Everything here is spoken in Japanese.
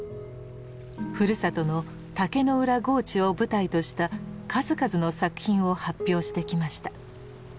ふるさとの竹野浦河内を舞台とした数々の作品を発表してきました。